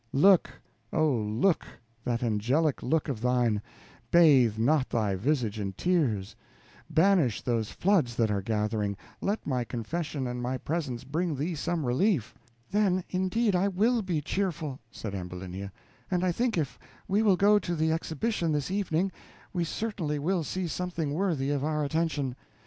"Look, O! look: that angelic look of thine bathe not thy visage in tears; banish those floods that are gathering; let my confession and my presence bring thee some relief." "Then, indeed, I will be cheerful," said Ambulinia, "and I think if we will go to the exhibition this evening, we certainly will see something worthy of our attention.